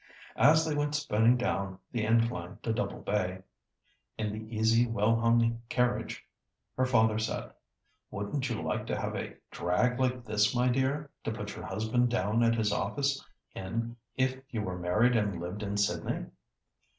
As they went spinning down the incline to Double Bay, in the easy, well hung carriage, her father said, "Wouldn't you like to have a drag like this, my dear, to put your husband down at his office in if you were married and lived in Sydney?"